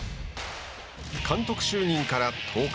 監督就任から１０日。